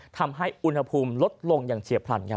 ทำให้อุณหภูมิลดลงอย่างเฉียบพลันครับ